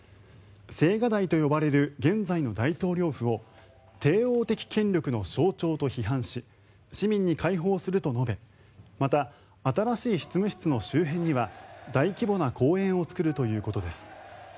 青瓦台と呼ばれる現在の大統領府を帝王的権力の象徴と批判し市民に開放すると述べまた、新しい執務室の周辺には大規模な公園を作るということです。